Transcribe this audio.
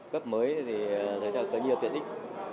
cấp mới thì thấy là có nhiều tiện ích